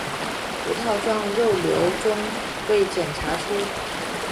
葡萄状肉瘤中被检查出。